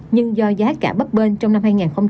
nhưng do giá cả bấp bên trong năm hai nghìn hai mươi hai